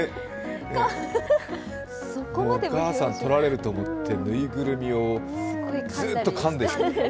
お母さん取られると思って縫いぐるみをずっとかんでる。